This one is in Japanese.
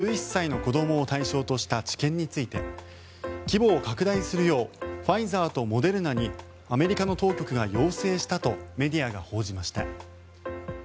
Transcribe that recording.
新型コロナワクチンの５歳から１１歳の子どもを対象にした治験について規模を拡大するようファイザーとモデルナにアメリカの当局が要請したとメディアが報じました。